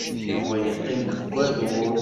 Yuba yeqqim deg wadur.